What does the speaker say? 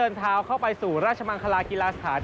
แล้วเข้าไปสู่ราชมังคลากีฬาสถาน